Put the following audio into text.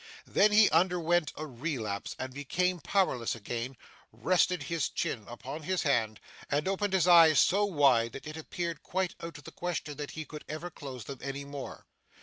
Then he underwent a relapse, and becoming powerless again, rested his chin upon his hand, and opened his eyes so wide, that it appeared quite out of the question that he could ever close them any more.